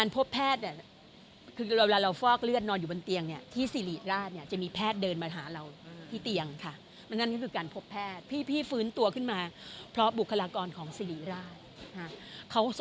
พบหมอตลอดหรือไม่คำว่าทุกวันไม่เดินจะนั่งรถไปคือคุณหมอนันตระการการพบแพทย์